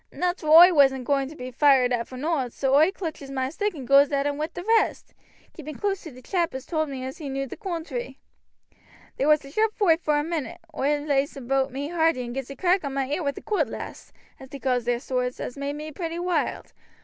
"Nateral oi wasn't a going to be fired at for nowt, so oi clutches moi stick and goes at 'em wi' the rest, keeping close to t' chap as told me as he knew the coontry. There was a sharp foight vor a minute. Oi lays aboot me hearty and gets a crack on my ear wi' a cootlas, as they calls theer swords, as made me pretty wild.